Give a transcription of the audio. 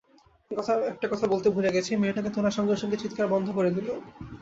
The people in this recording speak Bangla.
একটা কথা বলতে ভুলে গেছি, মেয়েটাকে তোলার সঙ্গে-সঙ্গে চিৎকার বন্ধ করে দিল।